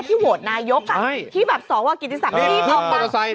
ที่โหวตนายกอ่ะที่สอวรกิตตีศักดิ์ที่เอ๊กออกบ้าง